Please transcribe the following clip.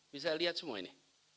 bisa lihat semua ini